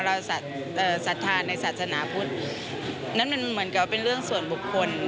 เราศรัทธาในศาสนาพุทธนั้นมันเหมือนกับเป็นเรื่องส่วนบุคคล